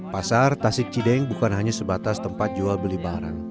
pasar tasik cideng bukan hanya sebatas tempat jual beli barang